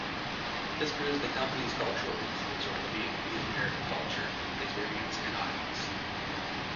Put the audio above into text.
This proves the company's cultural influence over the Vietnamese American culture, experience and audience.